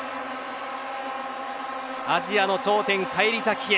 アジアの頂点、返り咲きへ。